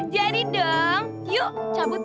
jadi dong yuk cabut